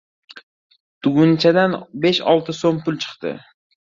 Tugunchadan besh-olti so‘m pul chiqdi.